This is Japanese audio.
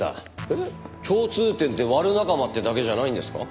えっ共通点ってワル仲間ってだけじゃないんですか？